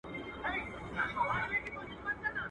چي کم وي لويوه ئې، چي لوى سي تربور دئ، جنگوه ئې.